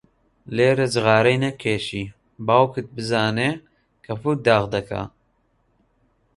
لێرە جغارەی نەکێشی، باوکت بزانێ کەپووت داغ دەکا.